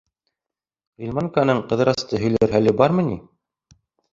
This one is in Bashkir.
— Ғилманканың Ҡыҙырасты һөйләр хәле бармы ни?